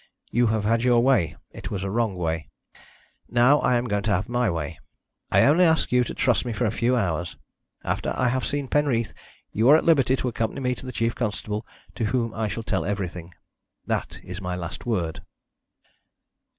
You have had your way it was a wrong way. Now I am going to have my way. I only ask you to trust me for a few hours. After I have seen Penreath you are at liberty to accompany me to the chief constable, to whom I shall tell everything. That is my last word."